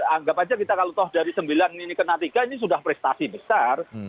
anggap aja kita kalau toh dari sembilan ini kena tiga ini sudah prestasi besar